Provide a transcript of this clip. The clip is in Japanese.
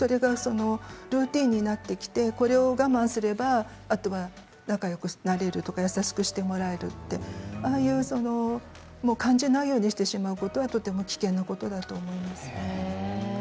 ルーティンになってきてこれを我慢すればあとは仲よくなれるとか優しくしてもらえるああいう感じないようにしてしまうのはとても危険なことですね。